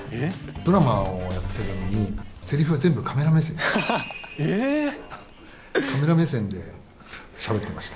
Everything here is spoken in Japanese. ドラマをやっているのに、せりふは全部カメラ目線でした。